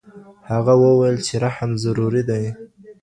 هغه وويل چي رحم ضروري دی.